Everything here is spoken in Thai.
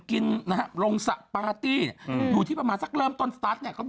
เขาบอกว่าเมื่อตกลักเอ็นตัวเด็กเอ็นต้องใส่ชุดบิกินี่